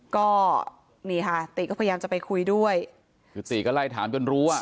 ก็นี่ค่ะติก็พยายามจะไปคุยด้วยคือตีก็ไล่ถามจนรู้อ่ะ